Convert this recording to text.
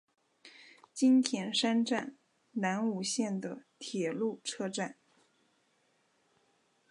津田山站南武线的铁路车站。